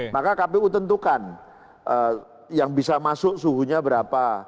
maka kpu tentukan yang bisa masuk suhunya berapa